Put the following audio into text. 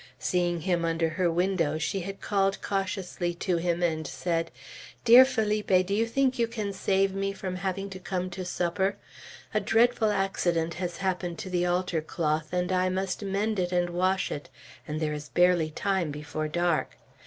Seeing him under her window, she had called cautiously to him, and said: "Dear Felipe, do you think you can save me from having to come to supper? A dreadful accident has happened to the altar cloth, and I must mend it and wash it, and there is barely time before dark.